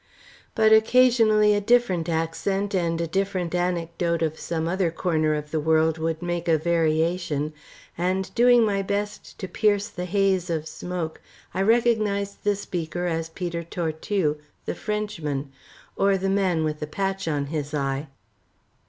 But occasionally a different accent and a different anecdote of some other corner of the world would make a variation; and doing my best to pierce the haze of smoke, I recognised the speaker as Peter Tortue, the Frenchman, or the man with the patch on his eye.